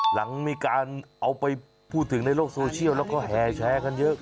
หลังมีการเอาไปพูดถึงในโลกโซเชียลแล้วก็แห่แชร์กันเยอะ